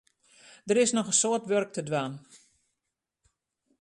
Der is noch in soad wurk te dwaan.